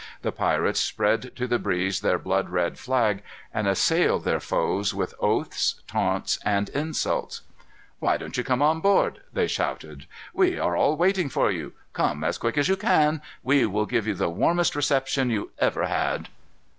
The pirates spread to the breeze their blood red flag, and assailed their foes with oaths, taunts, and insults. "Why don't you come on board?" they shouted. "We are all waiting for you. Come as quick as you can. We will give you the warmest reception you ever had."